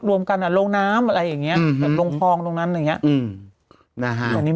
รวมกันประมาณโรงน้ำลงพลองตรงนั้นอีกอย่างนี้